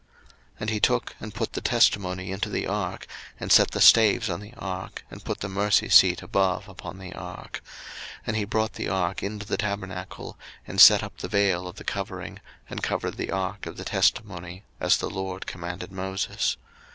02:040:020 And he took and put the testimony into the ark, and set the staves on the ark, and put the mercy seat above upon the ark: 02:040:021 And he brought the ark into the tabernacle, and set up the vail of the covering, and covered the ark of the testimony; as the LORD commanded Moses.